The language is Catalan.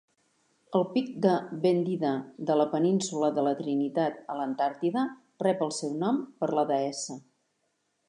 El pic de Bendida de la Península de la Trinitat a l'Antàrtida rep el seu nom per la deessa.